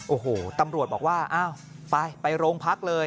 โอ้โหตำรวจบอกว่าอ้าวไปไปโรงพักเลย